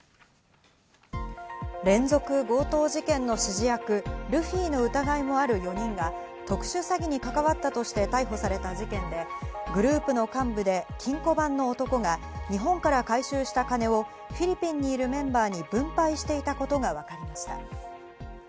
連続強盗事件の指示役・ルフィの疑いもある４人が特殊詐欺に関わったとして逮捕された事件で、グループの幹部で金庫番の男が、日本から回収した金をフィリピンにいるメンバーに分配していたことがわかりました。